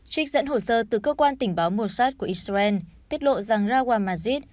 trích dẫn hồ sơ từ cơ quan tỉnh báo mossad của israel tiết lộ rằng rawal majid